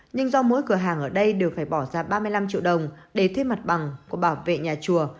nhưng do mỗi cửa hàng ở đây đều phải bỏ ra ba mươi năm triệu đồng để thuê mặt bằng của bảo vệ nhà chùa